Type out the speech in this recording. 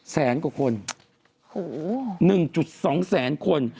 แสนกว่าคน๑๒แสนคน